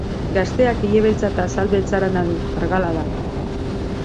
Gazteak ile beltza eta azal beltzarana du, argala da.